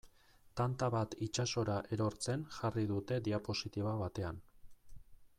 Tanta bat itsasora erortzen jarri dute diapositiba batean.